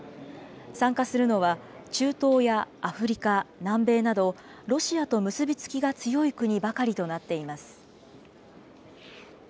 参加するのは、中東やアフリカ、南米など、ロシアと結び付きが強い国ばかりとなっています。